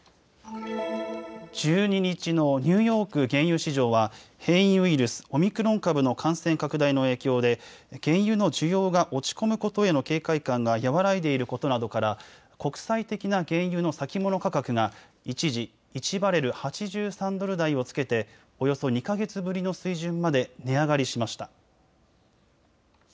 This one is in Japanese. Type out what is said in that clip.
１２日のニューヨーク原油市場は変異ウイルス、オミクロン株の感染拡大の影響で原油の需要が落ち込むことへの警戒感が和らいでいることなどから国際的な原油の先物価格が一時、１バレル８３ドル台をつけておよそ２か月ぶりの水準まで値上がりしました。